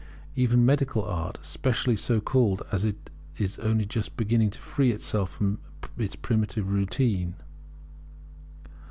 Even Medical Art, specially so called, is only just beginning to free itself from its primitive routine.